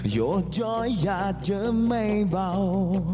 โยดยอยหยาดเจอไม่เบา